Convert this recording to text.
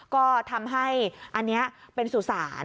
ก็ทำให้อันนี้เป็นสุสาน